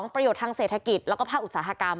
ประโยชน์ทางเศรษฐกิจแล้วก็ภาคอุตสาหกรรม